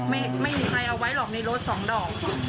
ไม่มีใครเอาไว้หรอกในรถสองดอก